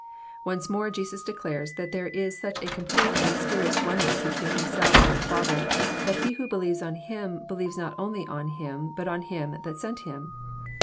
Once more Jesus declares that there is such a complete and mysterious oneness between Himself and the Father, that he who believes on Him believes not only on Him, but on Him that sent Him.